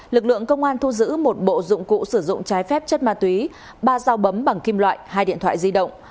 lực lượng công an thu giữ một bộ dụng cụ sử dụng trái phép chất ma túy ba dao bấm bằng kim loại hai điện thoại di động